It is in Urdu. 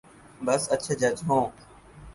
بس اچھے جج ہوں۔